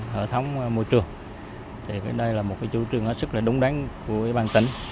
hệ thống môi trường đây là một chú trường rất đúng đáng của ủy ban tỉnh